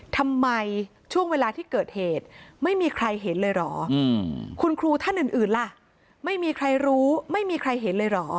ทำไมช่วงเวลาที่เกิดเหตุไม่มีใครเห็นเลยเหรอคุณครูท่านอื่นล่ะไม่มีใครรู้ไม่มีใครเห็นเลยเหรอ